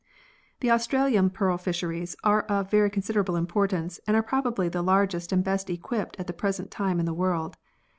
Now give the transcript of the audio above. The Australian Pearl Fisheries are of very con siderable importance and are probably the largest and best equipped at the present time in the world.